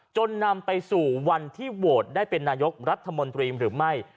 นำไปสู่วันที่โหวตได้เป็นนายกรัฐมนตรีหรือไม่